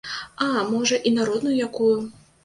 А, можа, і народную якую.